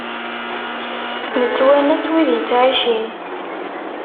Nettwanas wid ittɛicin.